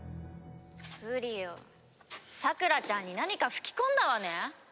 フリオさくらちゃんに何か吹き込んだわね？